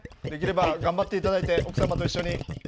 できれば頑張って頂いて奥様と一緒に。